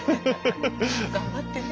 頑張ってね。